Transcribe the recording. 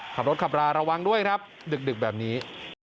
ขับรถขับราระวังด้วยครับดึกแบบนี้